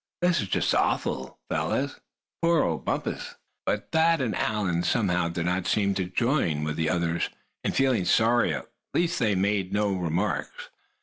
This is just awful, fellers. Poor old Bumpus!" But Thad and Allan somehow did not seem to join with the others in feeling sorry. At least they made no remarks.